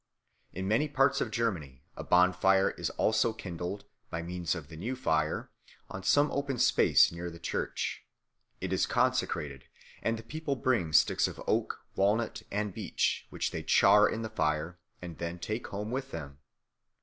In many parts of Germany a bonfire is also kindled, by means of the new fire, on some open space near the church. It is consecrated, and the people bring sticks of oak, walnut, and beech, which they char in the fire, and then take home with them.